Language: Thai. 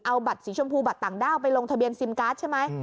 เอาบัตรสีชมพูบัตรต่างด้าวไปลงทะเบียนซิมการ์ดใช่ไหม